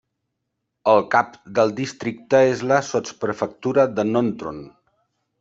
El cap del districte és la sotsprefectura de Nontron.